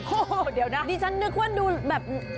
โอ้โหเดี๋ยวนะดิฉันนึกว่าดูแบบ